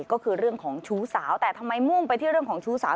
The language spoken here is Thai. ก็คือเรื่องของชู้สาวแต่ทำไมมุ่งไปที่เรื่องของชู้สาว